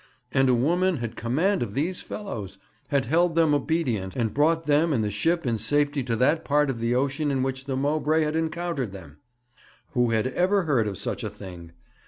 And a woman had command of these fellows, had held them obedient, and brought them and the ship in safety to that part of the ocean in which the Mowbray had encountered them! Who had ever heard of such a thing?